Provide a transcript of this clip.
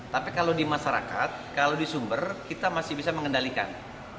tapi kalau di masyarakat kalau di sumber kita masih bisa mengendalikan